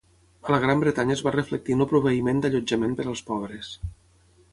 A la Gran Bretanya es va reflectir en el proveïment d'allotjament per als pobres.